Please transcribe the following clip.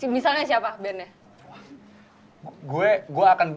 misalnya siapa bandnya